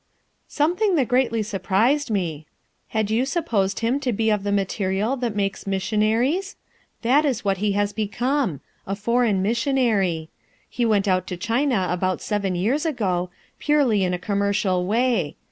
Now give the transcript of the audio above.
"Something that greatly surprised me. Had you supposed him to be of the material that makes missionaries? That is what he has become: a foreign missionary. He went out to China about seven years ago, purely in a commercial way.